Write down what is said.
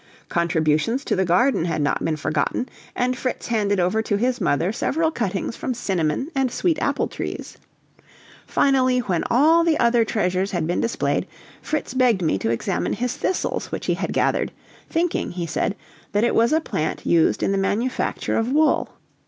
Contributions to the garden had not been forgotten, and Fritz handed over to his mother several cuttings from cinnamon and sweet apple trees. Finally, when all the other treasures had been displayed, Fritz begged me to examine his thistles which he had gathered, thinking, he said, that it was a plant used in the manufacture of wool.